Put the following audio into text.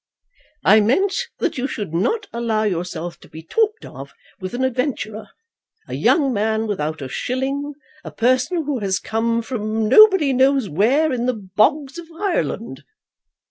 "I meant that you should not allow yourself to be talked of with an adventurer, a young man without a shilling, a person who has come from nobody knows where in the bogs of Ireland."